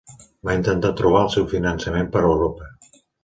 Va intentar trobar el finançament per Europa.